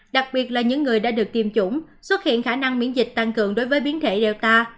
đặc biệt là những người đã được tiêm chủng xuất hiện khả năng miễn dịch tăng cường đối với biến thể relota